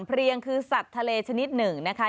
เรียงคือสัตว์ทะเลชนิดหนึ่งนะคะ